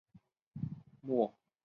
默多克最终在沉没中丧生。